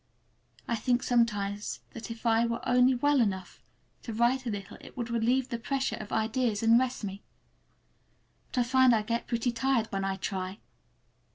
I think sometimes that if I were only well enough to write a little it would relieve the press of ideas and rest me. But I find I get pretty tired when I try.